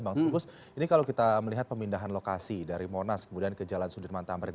bang trubus ini kalau kita melihat pemindahan lokasi dari monas kemudian ke jalan sudirman tamrin